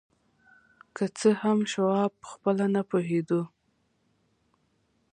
که څه هم شواب پخپله نه پوهېده